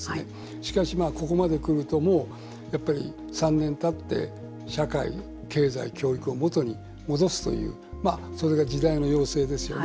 しかし、ここまで来るとやっぱり３年たって社会、経済、教育を元に戻すというそれが時代の要請ですよね。